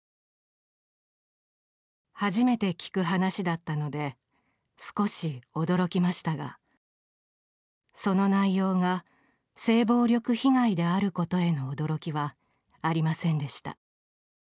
初めて聞く話だったので少し驚きましたがその内容が性暴力被害であることへの驚きはありませんでした。